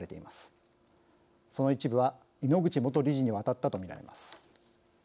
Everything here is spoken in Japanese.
その一部は井ノ口元理事に渡ったとみられます。